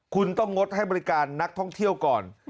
คุณต้องงดให้บริการนักท่องเที่ยวก่อน